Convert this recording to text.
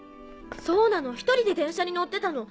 そうなのひとりで電車に乗ってたの。